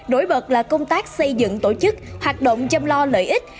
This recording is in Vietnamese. đổi bật là công tác xây dựng tổ chức hoạt động chăm lo lợi ích